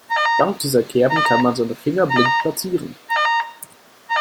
Dank dieser Kerben kann man seine Finger blind platzieren.